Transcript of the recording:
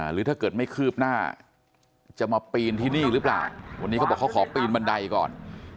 หรือถ้าเกิดไม่คืบหน้าจะมาปีนที่นี่หรือเปล่าวันนี้เขาบอกเขาขอปีนบันไดก่อน